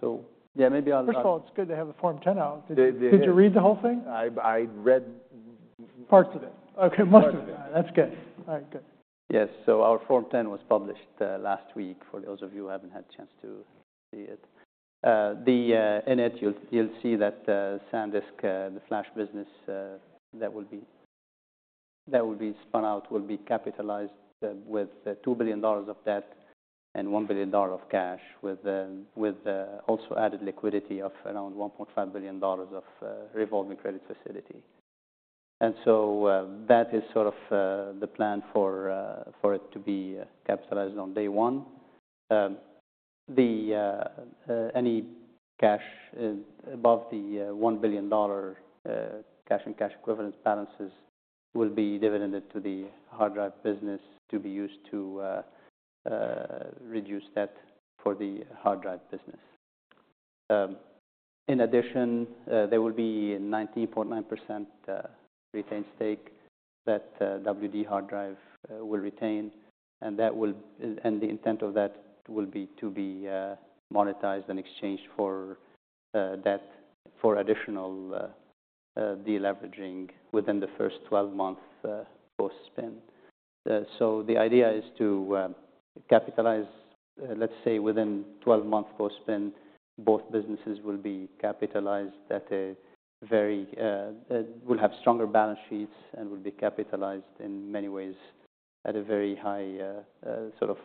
So yeah, maybe I'll ask. First of all, it's good to have the Form 10 out. Did you read the whole thing? I read. Parts of it. Okay, most of it. That's good. All right, good. Yes, so our Form 10 was published last week for those of you who haven't had a chance to see it. In it, you'll see that SanDisk, the flash business, that will be spun out, will be capitalized with $2 billion of debt and $1 billion of cash, with also added liquidity of around $1.5 billion of revolving credit facility. And so that is sort of the plan for it to be capitalized on day one. Any cash above the $1 billion cash and cash equivalent balances will be dividended to the hard drive business to be used to reduce debt for the hard drive business. In addition, there will be a 19.9% retained stake that WD Hard Drive will retain, and the intent of that will be to be monetized and exchanged for debt for additional de-leveraging within the first 12 months post-spin. The idea is to capitalize, let's say, within 12 months post-spin, both businesses will have stronger balance sheets and will be capitalized in many ways at a very high, sort of,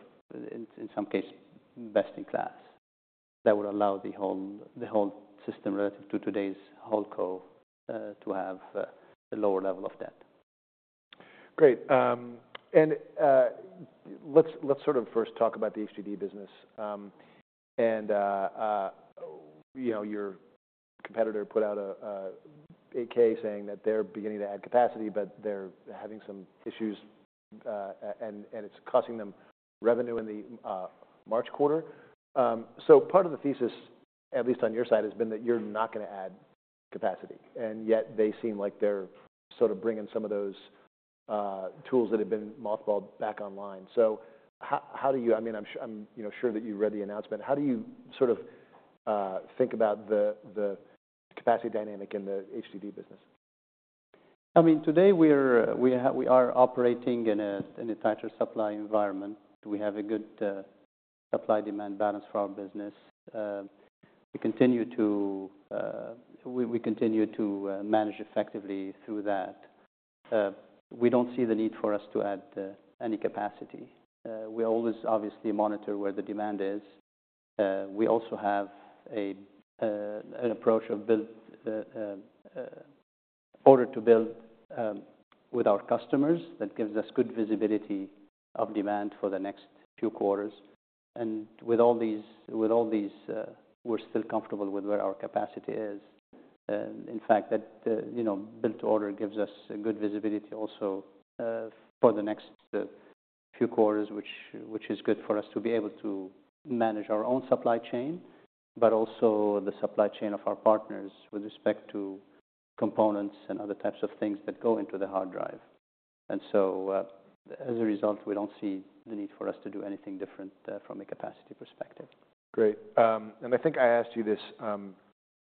in some cases, best in class. That will allow the whole system relative to today's WholeCo to have a lower level of debt. Great. And let's sort of first talk about the HDD business. And your competitor put out a case saying that they're beginning to add capacity, but they're having some issues, and it's costing them revenue in the March quarter. So part of the thesis, at least on your side, has been that you're not going to add capacity, and yet they seem like they're sort of bringing some of those tools that have been mothballed back online. So how do you-I mean, I'm sure that you read the announcement. How do you sort of think about the capacity dynamic in the HDD business? I mean, today we are operating in a tighter supply environment. We have a good supply-demand balance for our business. We continue to manage effectively through that. We don't see the need for us to add any capacity. We always, obviously, monitor where the demand is. We also have an approach of order-to-build with our customers that gives us good visibility of demand for the next few quarters. And with all these, we're still comfortable with where our capacity is. In fact, the build-to-order gives us good visibility also for the next few quarters, which is good for us to be able to manage our own supply chain, but also the supply chain of our partners with respect to components and other types of things that go into the hard drive. And so, as a result, we don't see the need for us to do anything different from a capacity perspective. Great, and I think I asked you this,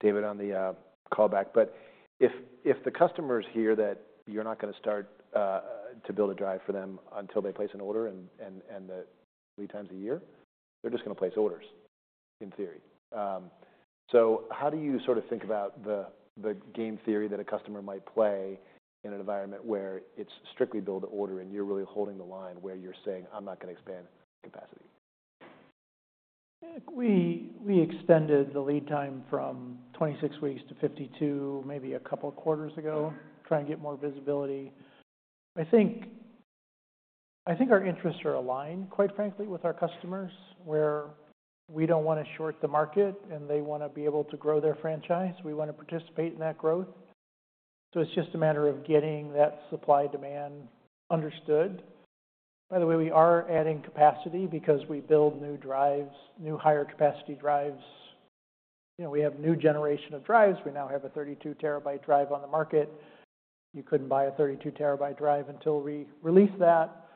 David, on the callback, but if the customers hear that you're not going to start to build a drive for them until they place an order and the lead times a year, they're just going to place orders, in theory. So how do you sort of think about the game theory that a customer might play in an environment where it's strictly build-to-order and you're really holding the line where you're saying, "I'm not going to expand capacity"? I think we extended the lead time from 26 weeks to 52, maybe a couple of quarters ago, trying to get more visibility. I think our interests are aligned, quite frankly, with our customers, where we don't want to short the market, and they want to be able to grow their franchise. We want to participate in that growth. So it's just a matter of getting that supply-demand understood. By the way, we are adding capacity because we build new drives, new higher-capacity drives. We have a new generation of drives. We now have a 32 TB drive on the market. You couldn't buy a 32 TB drive until we release that.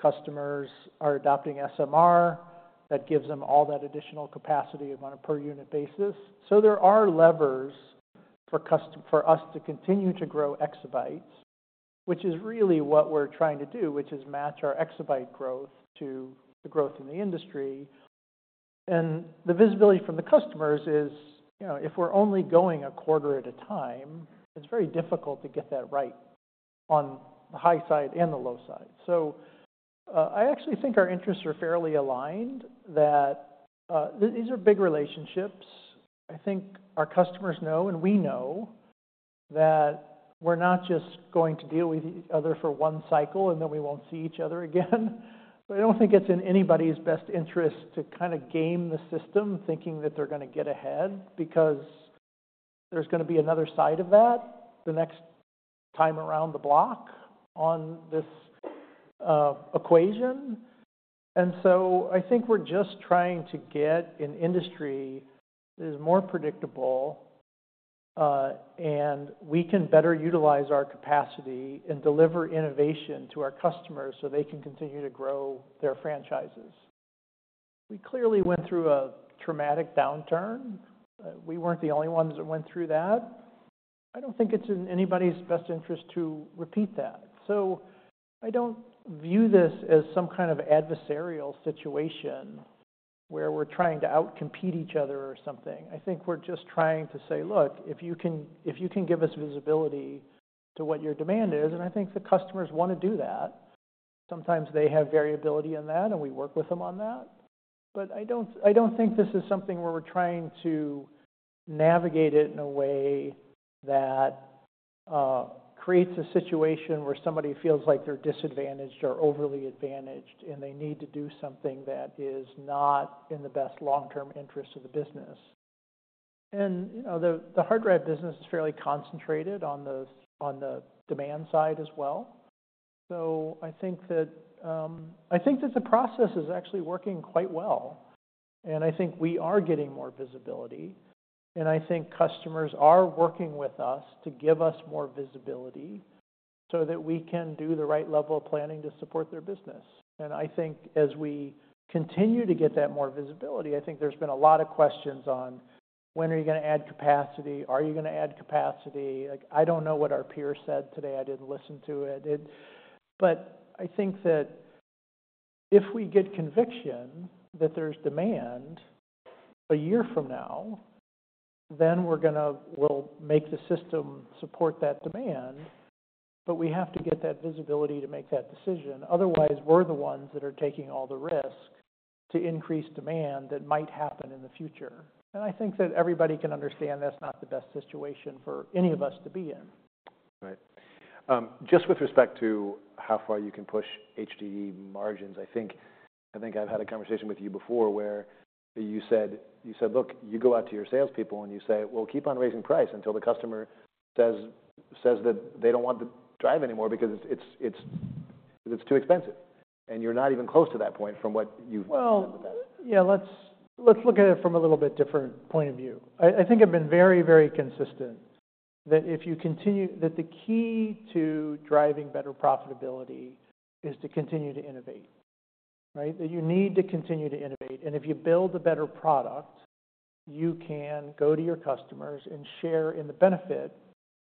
Customers are adopting SMR. That gives them all that additional capacity on a per-unit basis. There are levers for us to continue to grow exabytes, which is really what we're trying to do, which is match our exabyte growth to the growth in the industry. The visibility from the customers is if we're only going a quarter at a time, it's very difficult to get that right on the high side and the low side. I actually think our interests are fairly aligned that these are big relationships. I think our customers know, and we know, that we're not just going to deal with each other for one cycle and then we won't see each other again. I don't think it's in anybody's best interest to kind of game the system, thinking that they're going to get ahead because there's going to be another side of that the next time around the block on this equation. I think we're just trying to get an industry that is more predictable, and we can better utilize our capacity and deliver innovation to our customers so they can continue to grow their franchises. We clearly went through a traumatic downturn. We weren't the only ones that went through that. I don't think it's in anybody's best interest to repeat that. I don't view this as some kind of adversarial situation where we're trying to out-compete each other or something. I think we're just trying to say, "Look, if you can give us visibility to what your demand is," and I think the customers want to do that. Sometimes they have variability in that, and we work with them on that. But I don't think this is something where we're trying to navigate it in a way that creates a situation where somebody feels like they're disadvantaged or overly advantaged and they need to do something that is not in the best long-term interest of the business. And the hard drive business is fairly concentrated on the demand side as well. So I think that the process is actually working quite well. And I think we are getting more visibility. And I think customers are working with us to give us more visibility so that we can do the right level of planning to support their business. And I think as we continue to get that more visibility, I think there's been a lot of questions on, "When are you going to add capacity? Are you going to add capacity?" I don't know what our peer said today. I didn't listen to it. But I think that if we get conviction that there's demand a year from now, then we'll make the system support that demand. But we have to get that visibility to make that decision. Otherwise, we're the ones that are taking all the risk to increase demand that might happen in the future. And I think that everybody can understand that's not the best situation for any of us to be in. Right. Just with respect to how far you can push HDD margins, I think I've had a conversation with you before where you said, "Look, you go out to your salespeople, and you say, 'We'll keep on raising price until the customer says that they don't want the drive anymore because it's too expensive.'" And you're not even close to that point from what you've said with that. Yeah, let's look at it from a little bit different point of view. I think I've been very, very consistent that if you continue that the key to driving better profitability is to continue to innovate, right? That you need to continue to innovate. If you build a better product, you can go to your customers and share in the benefit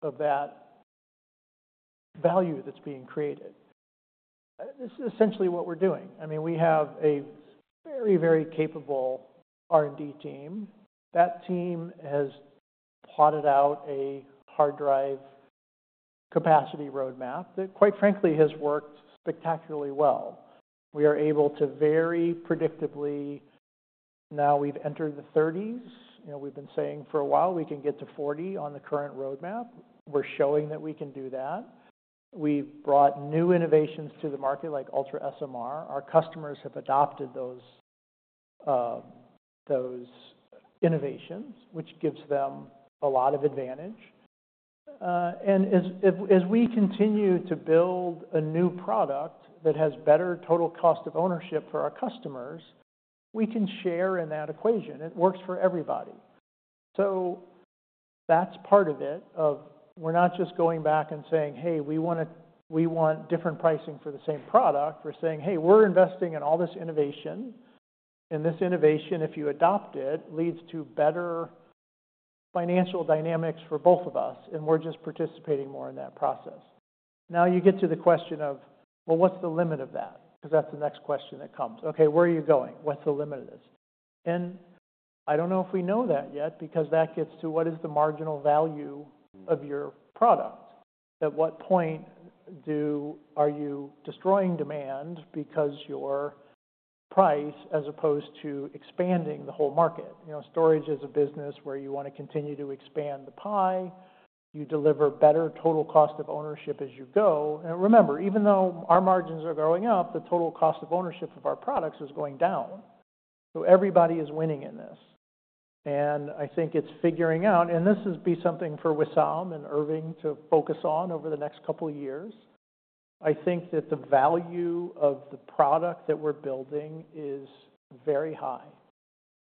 of that value that's being created. This is essentially what we're doing. I mean, we have a very, very capable R&D team. That team has plotted out a hard drive capacity roadmap that, quite frankly, has worked spectacularly well. We are able to very predictably now. We've entered the 30s. We've been saying for a while we can get to 40 on the current roadmap. We're showing that we can do that. We've brought new innovations to the market like UltraSMR. Our customers have adopted those innovations, which gives them a lot of advantage, and as we continue to build a new product that has better total cost of ownership for our customers, we can share in that equation. It works for everybody, so that's part of it, where we're not just going back and saying, "Hey, we want different pricing for the same product." We're saying, "Hey, we're investing in all this innovation. And this innovation, if you adopt it, leads to better financial dynamics for both of us. And we're just participating more in that process." Now you get to the question of, "Well, what's the limit of that?" Because that's the next question that comes. Okay, where are you going? What's the limit of this, and I don't know if we know that yet because that gets to what is the marginal value of your product? At what point are you destroying demand because your price as opposed to expanding the whole market? Storage is a business where you want to continue to expand the pie. You deliver better total cost of ownership as you go. And remember, even though our margins are growing up, the total cost of ownership of our products is going down. So everybody is winning in this. And I think it's figuring out, and this would be something for Wissam and Irving to focus on over the next couple of years. I think that the value of the product that we're building is very high.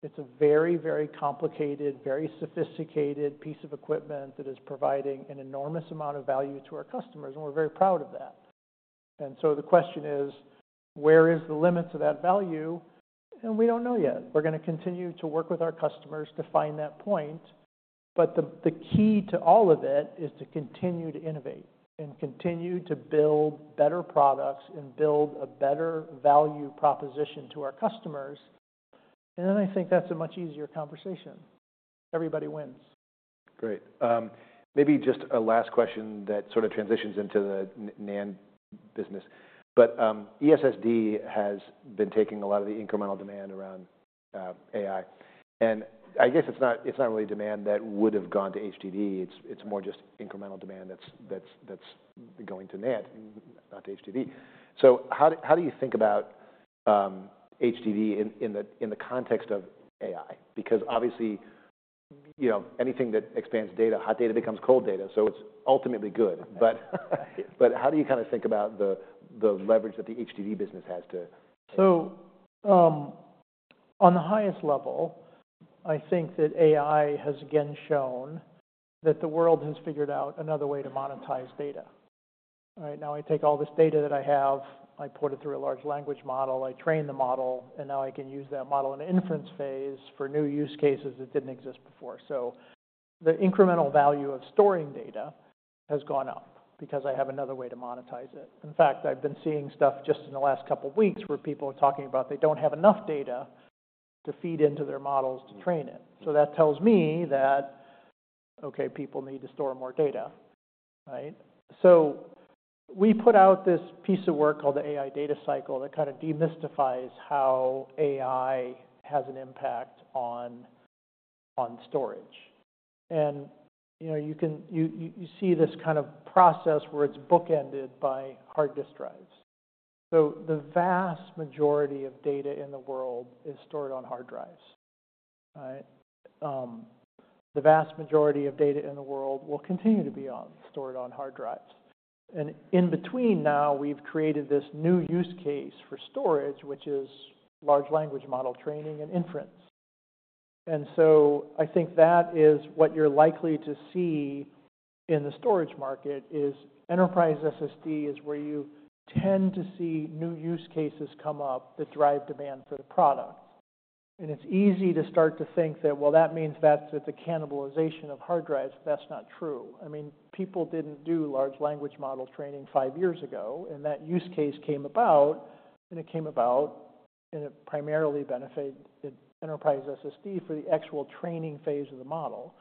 It's a very, very complicated, very sophisticated piece of equipment that is providing an enormous amount of value to our customers. And we're very proud of that. And so the question is, where is the limit to that value? And we don't know yet. We're going to continue to work with our customers to find that point. But the key to all of it is to continue to innovate and continue to build better products and build a better value proposition to our customers. And then I think that's a much easier conversation. Everybody wins. Great. Maybe just a last question that sort of transitions into the NAND business. But eSSD has been taking a lot of the incremental demand around AI. And I guess it's not really demand that would have gone to HDD. It's more just incremental demand that's going to NAND, not to HDD. So how do you think about HDD in the context of AI? Because obviously, anything that expands data, hot data becomes cold data. So it's ultimately good. But how do you kind of think about the leverage that the HDD business has to? So on the highest level, I think that AI has again shown that the world has figured out another way to monetize data. Right now, I take all this data that I have, I put it through a large language model, I train the model, and now I can use that model in an inference phase for new use cases that didn't exist before. So the incremental value of storing data has gone up because I have another way to monetize it. In fact, I've been seeing stuff just in the last couple of weeks where people are talking about they don't have enough data to feed into their models to train it. So that tells me that, okay, people need to store more data, right? So we put out this piece of work called the AI Data Cycle that kind of demystifies how AI has an impact on storage. You see this kind of process where it's bookended by hard disk drives. The vast majority of data in the world is stored on hard drives, right? The vast majority of data in the world will continue to be stored on hard drives. In between now, we've created this new use case for storage, which is large language model training and inference. I think that is what you're likely to see in the storage market is enterprise SSD is where you tend to see new use cases come up that drive demand for the product. It's easy to start to think that, well, that means that's the cannibalization of hard drives. That's not true. I mean, people didn't do large language model training five years ago. And that use case came about, and it primarily benefited enterprise SSD for the actual training phase of the model.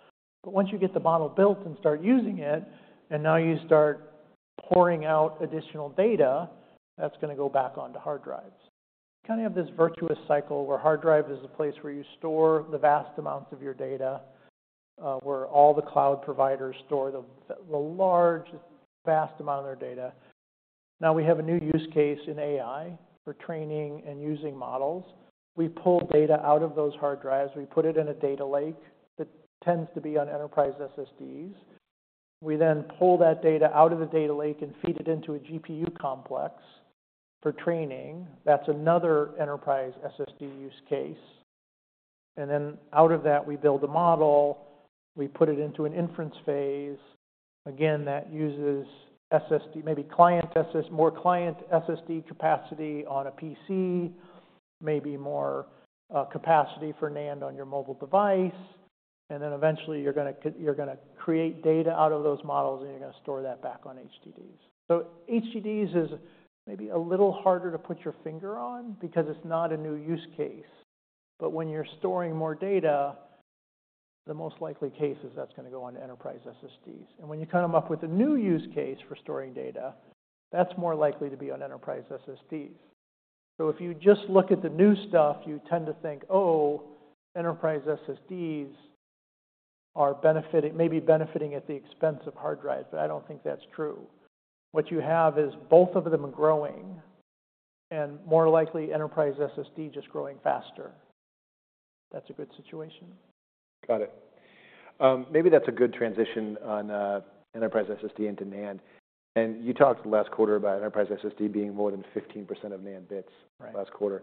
But once you get the model built and start using it, and now you start pouring out additional data, that's going to go back onto hard drives. You kind of have this virtuous cycle where hard drive is a place where you store the vast amounts of your data, where all the cloud providers store the largest, vast amount of their data. Now we have a new use case in AI for training and using models. We pull data out of those hard drives. We put it in a data lake that tends to be on enterprise SSDs. We then pull that data out of the data lake and feed it into a GPU complex for training. That's another enterprise SSD use case. And then out of that, we build a model. We put it into an inference phase. Again, that uses maybe more client SSD capacity on a PC, maybe more capacity for NAND on your mobile device. And then eventually, you're going to create data out of those models, and you're going to store that back on HDDs. So HDDs is maybe a little harder to put your finger on because it's not a new use case. But when you're storing more data, the most likely case is that's going to go on enterprise SSDs. And when you come up with a new use case for storing data, that's more likely to be on enterprise SSDs. So if you just look at the new stuff, you tend to think, "Oh, enterprise SSDs may be benefiting at the expense of hard drives." But I don't think that's true. What you have is both of them growing, and more likely enterprise SSD just growing faster. That's a good situation. Got it. Maybe that's a good transition on enterprise SSD into NAND. And you talked last quarter about enterprise SSD being more than 15% of NAND bits last quarter.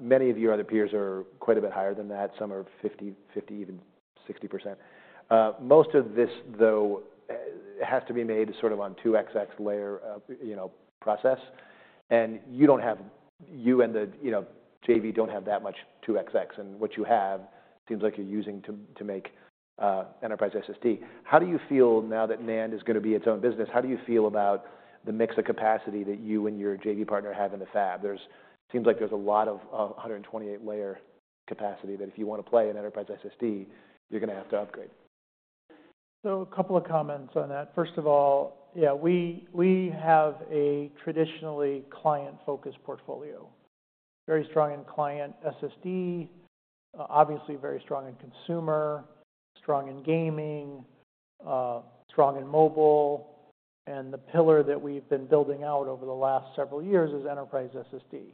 Many of your other peers are quite a bit higher than that. Some are 50%, even 60%. Most of this, though, has to be made sort of on 2xx layer process. And you and the JV don't have that much 2xx. And what you have seems like you're using to make enterprise SSD. How do you feel now that NAND is going to be its own business? How do you feel about the mix of capacity that you and your JV partner have in the fab? It seems like there's a lot of 128-layer capacity that if you want to play in enterprise SSD, you're going to have to upgrade. So a couple of comments on that. First of all, yeah, we have a traditionally client-focused portfolio. Very strong in client SSD, obviously very strong in consumer, strong in gaming, strong in mobile. And the pillar that we've been building out over the last several years is enterprise SSD.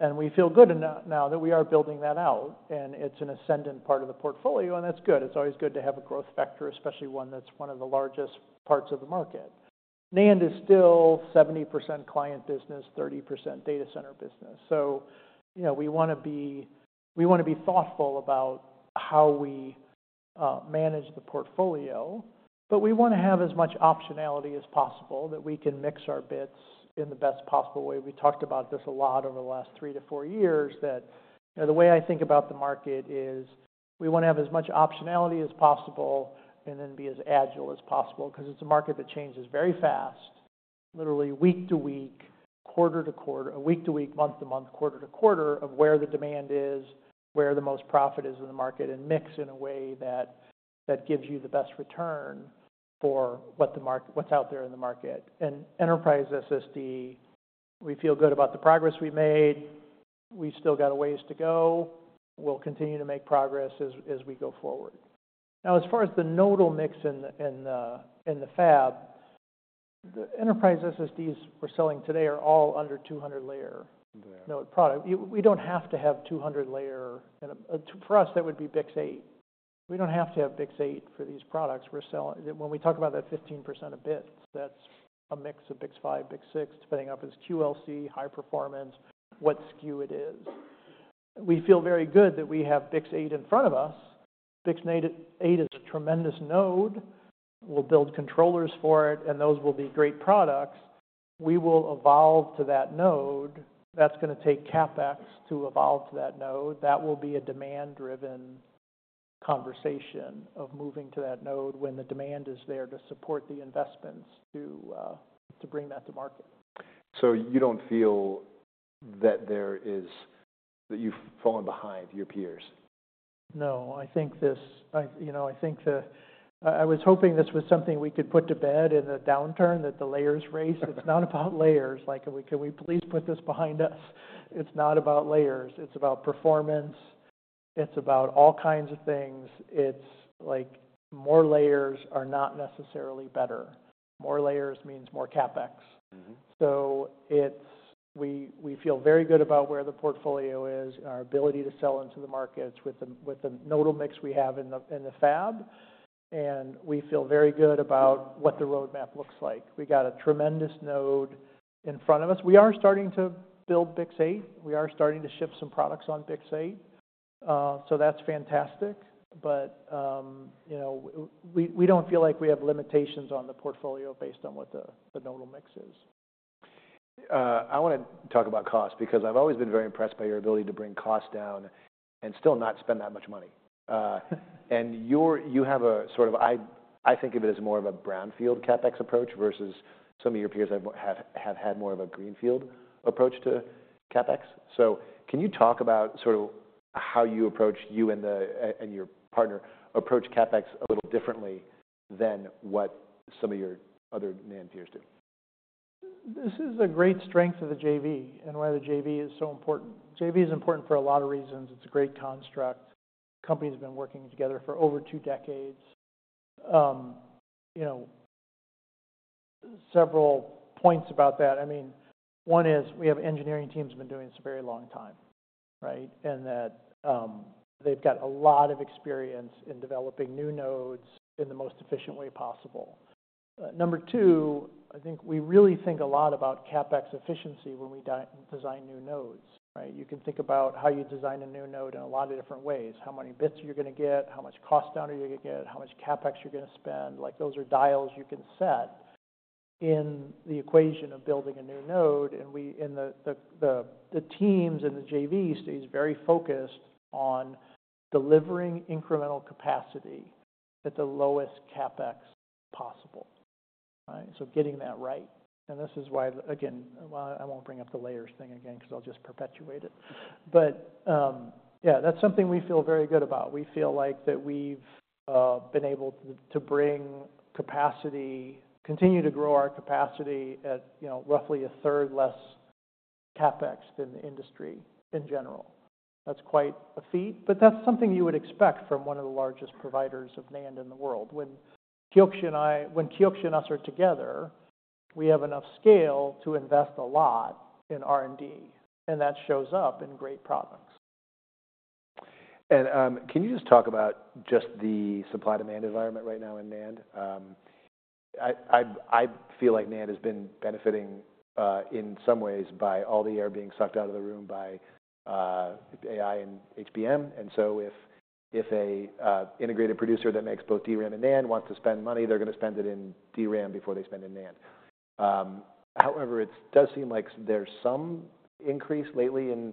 And we feel good now that we are building that out. And it's an ascendant part of the portfolio. And that's good. It's always good to have a growth factor, especially one that's one of the largest parts of the market. NAND is still 70% client business, 30% data center business. So we want to be thoughtful about how we manage the portfolio. But we want to have as much optionality as possible that we can mix our bits in the best possible way. We talked about this a lot over the last three to four years that the way I think about the market is we want to have as much optionality as possible and then be as agile as possible because it's a market that changes very fast, literally week to week, quarter to quarter, a week to week, month to month, quarter to quarter of where the demand is, where the most profit is in the market, and mix in a way that gives you the best return for what's out there in the market. And enterprise SSD, we feel good about the progress we've made. We've still got a ways to go. We'll continue to make progress as we go forward. Now, as far as the nodal mix in the fab, the enterprise SSDs we're selling today are all under 200-layer nodal product. We don't have to have 200-layer. For us, that would be BiCS8. We don't have to have BiCS8 for these products. When we talk about that 15% of bits, that's a mix of BiCS5, BiCS6, depending on if it's QLC, high performance, what SKU it is. We feel very good that we have BiCS8 in front of us. BiCS8 is a tremendous node. We'll build controllers for it, and those will be great products. We will evolve to that node. That's going to take CapEx to evolve to that node. That will be a demand-driven conversation of moving to that node when the demand is there to support the investments to bring that to market. So you don't feel that you've fallen behind your peers? No. I think I was hoping this was something we could put to bed in the downturn that the layers race. It's not about layers. Can we please put this behind us? It's not about layers. It's about performance. It's about all kinds of things. It's like more layers are not necessarily better. More layers means more CapEx. So we feel very good about where the portfolio is, our ability to sell into the markets with the node mix we have in the fab, and we feel very good about what the roadmap looks like. We got a tremendous node in front of us. We are starting to build BiCS8. We are starting to ship some products on BiCS8. So that's fantastic, but we don't feel like we have limitations on the portfolio based on what the node mix is. I want to talk about cost because I've always been very impressed by your ability to bring cost down and still not spend that much money, and you have a sort of I think of it as more of a brownfield CapEx approach versus some of your peers have had more of a greenfield approach to CapEx, so can you talk about sort of how you approach, you and your partner approach CapEx a little differently than what some of your other NAND peers do? This is a great strength of the JV and why the JV is so important. JV is important for a lot of reasons. It's a great construct. The company has been working together for over two decades. Several points about that. I mean, one is we have engineering teams been doing this a very long time, right? And that they've got a lot of experience in developing new nodes in the most efficient way possible. Number two, I think we really think a lot about CapEx efficiency when we design new nodes, right? You can think about how you design a new node in a lot of different ways. How many bits are you going to get? How much cost down are you going to get? How much CapEx are you going to spend? Those are dials you can set in the equation of building a new node. The teams and the JV stays very focused on delivering incremental capacity at the lowest CapEx possible, right? Getting that right. This is why, again, I won't bring up the layers thing again because I'll just perpetuate it. Yeah, that's something we feel very good about. We feel like that we've been able to bring capacity, continue to grow our capacity at roughly a third less CapEx than the industry in general. That's quite a feat. That's something you would expect from one of the largest providers of NAND in the world. When Kioxia and I when Kioxia and us are together, we have enough scale to invest a lot in R&D. That shows up in great products. And can you just talk about just the supply-demand environment right now in NAND? I feel like NAND has been benefiting in some ways by all the air being sucked out of the room by AI and HBM. And so if an integrated producer that makes both DRAM and NAND wants to spend money, they're going to spend it in DRAM before they spend in NAND. However, it does seem like there's some increase lately in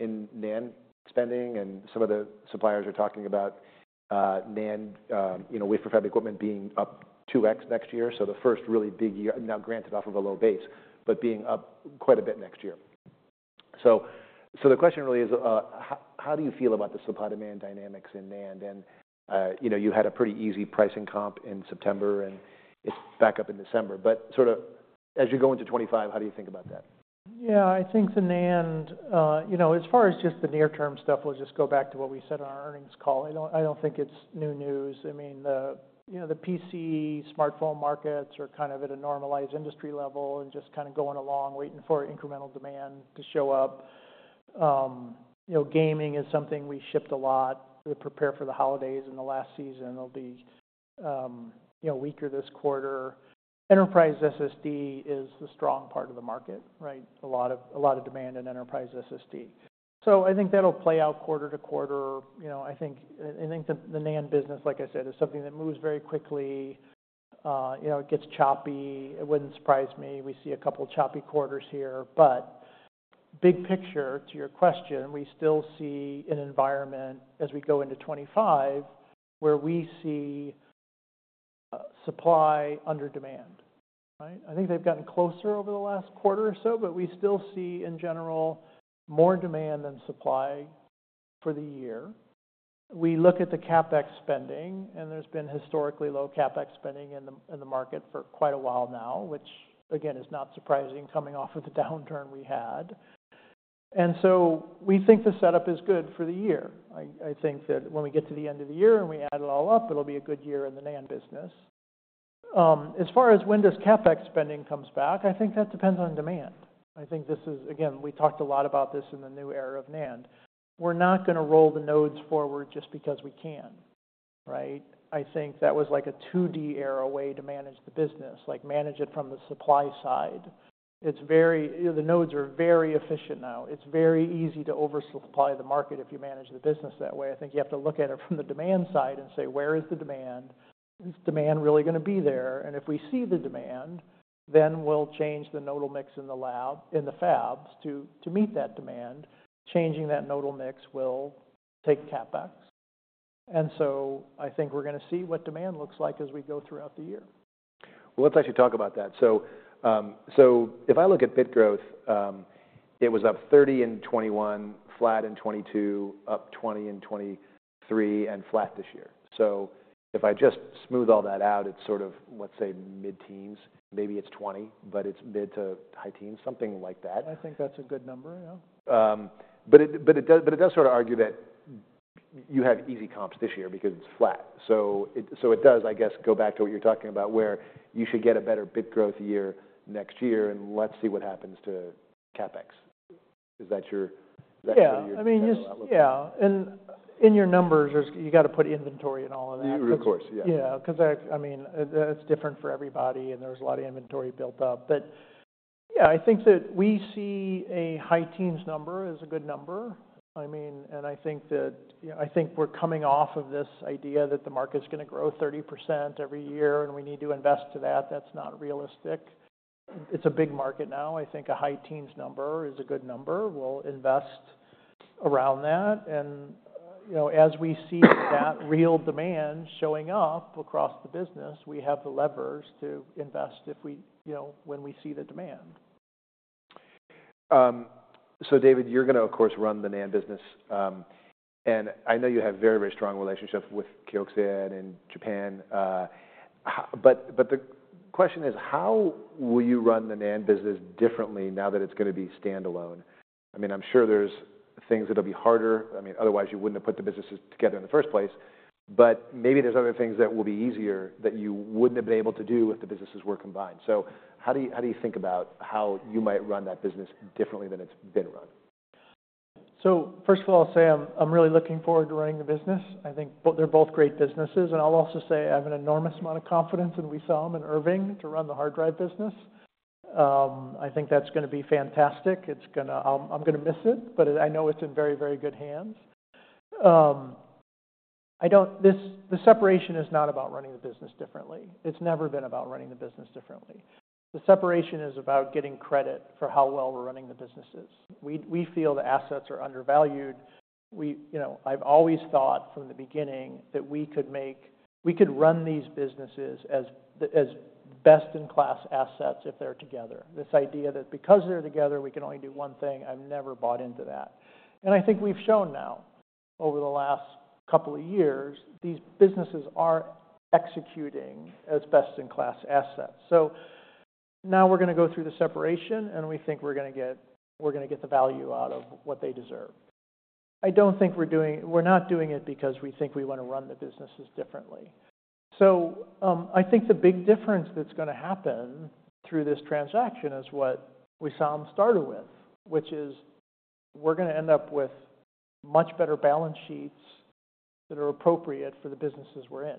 NAND spending. And some of the suppliers are talking about NAND wafer fab equipment being up 2x next year. So the first really big year, now granted off of a low base, but being up quite a bit next year. So the question really is, how do you feel about the supply-demand dynamics in NAND? And you had a pretty easy pricing comp in September, and it's back up in December. But sort of as you go into 2025, how do you think about that? Yeah. I think the NAND, as far as just the near-term stuff, we'll just go back to what we said on our earnings call. I don't think it's new news. I mean, the PC smartphone markets are kind of at a normalized industry level and just kind of going along, waiting for incremental demand to show up. Gaming is something we shipped a lot. We prepared for the holidays in the last season. It'll be weaker this quarter. Enterprise SSD is the strong part of the market, right? A lot of demand in enterprise SSD. So I think that'll play out quarter to quarter. I think the NAND business, like I said, is something that moves very quickly. It gets choppy. It wouldn't surprise me we see a couple of choppy quarters here. But, big picture, to your question, we still see an environment as we go into 2025 where we see supply under demand, right? I think they've gotten closer over the last quarter or so, but we still see in general, more demand than supply for the year. We look at the CapEx spending, and there's been historically low CapEx spending in the market for quite a while now, which again is not surprising, coming off of the downturn we had, and so we think the setup is good for the year. I think that when we get to the end of the year and we add it all up, it'll be a good year in the NAND business. As far as when does CapEx spending come back? I think that depends on demand. I think this is, again, we talked a lot about this in the new era of NAND. We're not going to roll the nodes forward just because we can, right? I think that was like a 2D era way to manage the business, like manage it from the supply side. The nodes are very efficient now. It's very easy to oversupply the market if you manage the business that way. I think you have to look at it from the demand side and say, "Where is the demand? Is demand really going to be there?" And if we see the demand, then we'll change the nodal mix in the fabs to meet that demand. Changing that nodal mix will take CapEx. And so I think we're going to see what demand looks like as we go throughout the year. Let's actually talk about that. If I look at bit growth, it was up 30% in 2021, flat in 2022, up 20% in 2023, and flat this year. If I just smooth all that out, it's sort of, let's say, mid-teens%. Maybe it's 20%, but it's mid- to high-teens%, something like that. I think that's a good number, yeah. But it does sort of argue that you have easy comps this year because it's flat. So it does, I guess, go back to what you're talking about where you should get a better bit growth year next year, and let's see what happens to CapEx. Is that your? Yeah. I mean, yeah. And in your numbers, you got to put inventory in all of that. Of course, yeah. Yeah. Because I mean, it's different for everybody, and there's a lot of inventory built up. But yeah, I think that we see a high-teens number is a good number. I mean, and I think that I think we're coming off of this idea that the market's going to grow 30% every year, and we need to invest to that. That's not realistic. It's a big market now. I think a high-teen number is a good number. We'll invest around that. And as we see that real demand showing up across the business, we have the levers to invest when we see the demand. So David, you're going to, of course, run the NAND business. And I know you have very, very strong relationships with Kioxia and Japan. But the question is, how will you run the NAND business differently now that it's going to be standalone? I mean, I'm sure there's things that will be harder. I mean, otherwise, you wouldn't have put the businesses together in the first place. But maybe there's other things that will be easier that you wouldn't have been able to do if the businesses were combined. So how do you think about how you might run that business differently than it's been run? So first of all, I'll say I'm really looking forward to running the business. I think they're both great businesses. And I'll also say I have an enormous amount of confidence in Wissam and Irving to run the hard drive business. I think that's going to be fantastic. I'm going to miss it, but I know it's in very, very good hands. The separation is not about running the business differently. It's never been about running the business differently. The separation is about getting credit for how well we're running the businesses. We feel the assets are undervalued. I've always thought from the beginning that we could run these businesses as best-in-class assets if they're together. This idea that because they're together, we can only do one thing. I've never bought into that. And I think we've shown now over the last couple of years, these businesses are executing as best-in-class assets. So now we're going to go through the separation, and we think we're going to get the value out of what they deserve. I don't think we're not doing it because we think we want to run the businesses differently. So I think the big difference that's going to happen through this transaction is what Wissam started with, which is we're going to end up with much better balance sheets that are appropriate for the businesses we're in.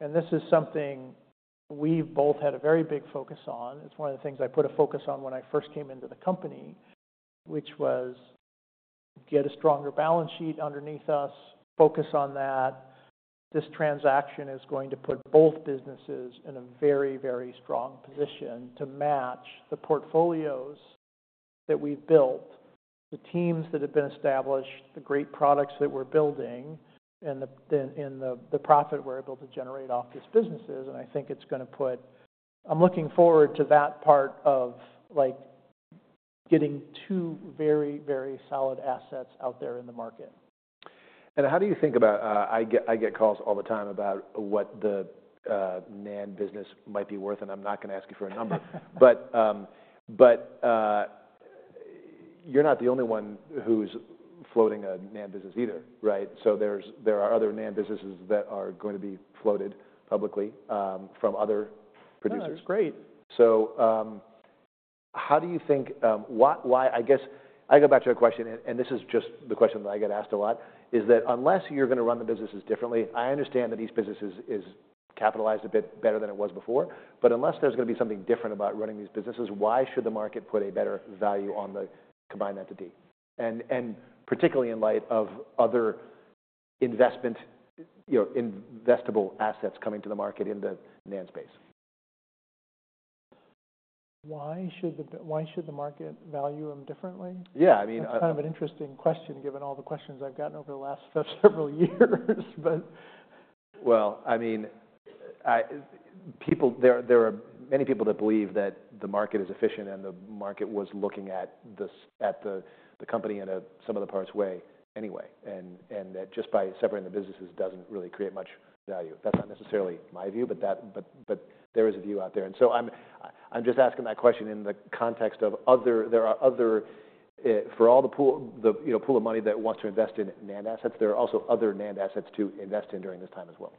And this is something we've both had a very big focus on. It's one of the things I put a focus on when I first came into the company, which was get a stronger balance sheet underneath us, focus on that. This transaction is going to put both businesses in a very, very strong position to match the portfolios that we've built, the teams that have been established, the great products that we're building, and the profit we're able to generate off these businesses. I think I'm looking forward to that part of getting two very, very solid assets out there in the market. And how do you think about it? I get calls all the time about what the NAND business might be worth, and I'm not going to ask you for a number. But you're not the only one who's floating a NAND business either, right? So there are other NAND businesses that are going to be floated publicly from other producers. That's great. So, how do you think? I guess I go back to your question, and this is just the question that I get asked a lot, is that unless you're going to run the businesses differently. I understand that each business is capitalized a bit better than it was before. But unless there's going to be something different about running these businesses, why should the market put a better value on the combined entity? And particularly in light of other investment investable assets coming to the market in the NAND space. Why should the market value them differently? Yeah. I mean. It's kind of an interesting question given all the questions I've gotten over the last several years, but. Well, I mean, there are many people that believe that the market is efficient and the market was looking at the company in sum of the parts way anyway, and that just by separating the businesses doesn't really create much value. That's not necessarily my view, but there is a view out there. And so I'm just asking that question in the context of there are other for all the pool of money that wants to invest in NAND assets, there are also other NAND assets to invest in during this time as well.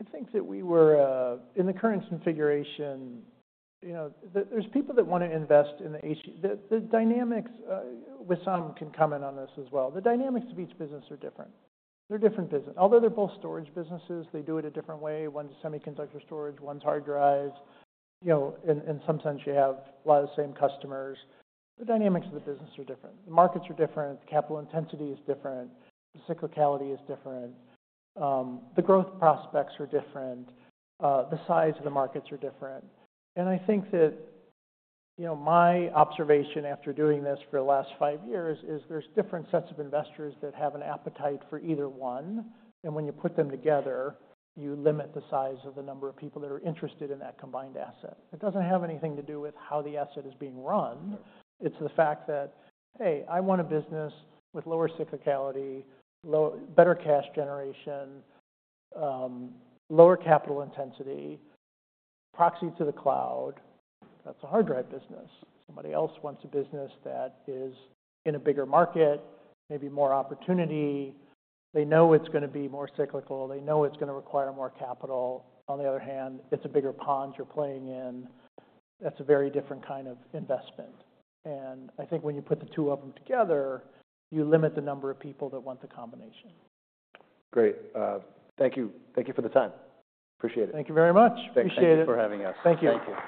I think that we were in the current configuration, there's people that want to invest in the dynamics. Wissam can comment on this as well. The dynamics of each business are different. They're different businesses. Although they're both storage businesses, they do it a different way. One's semiconductor storage, one's hard drives. In some sense, you have a lot of the same customers. The dynamics of the business are different. The markets are different. The capital intensity is different. The cyclicality is different. The growth prospects are different. The size of the markets are different. And I think that my observation after doing this for the last five years is there's different sets of investors that have an appetite for either one. And when you put them together, you limit the size of the number of people that are interested in that combined asset. It doesn't have anything to do with how the asset is being run. It's the fact that, hey, I want a business with lower cyclicality, better cash generation, lower capital intensity, proxy to the cloud. That's a hard drive business. Somebody else wants a business that is in a bigger market, maybe more opportunity. They know it's going to be more cyclical. They know it's going to require more capital. On the other hand, it's a bigger pond you're playing in. That's a very different kind of investment. And I think when you put the two of them together, you limit the number of people that want the combination. Great. Thank you for the time. Appreciate it. Thank you very much. Thanks for having us. Thank you.